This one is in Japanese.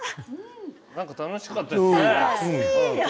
何か楽しかったですね